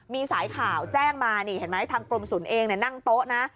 มีสายข่าวแจ้งมานี่เห็นไหมทางกรมศูนย์เองนั่งโต๊ะนะ